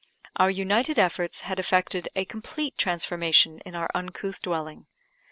Our united efforts had effected a complete transformation in our uncouth dwelling.